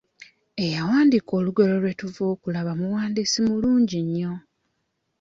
Eyawandiika olugero lwe tuva okulaba muwandiisi mulungi nnyo.